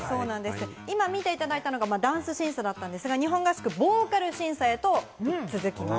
今、見ていただいたのがダンス審査だったんですが、日本合宿はボーカル審査へと続きます。